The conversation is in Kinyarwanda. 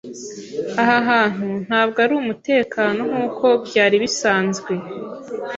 Aha hantu ntabwo ari umutekano nkuko byari bisanzwe.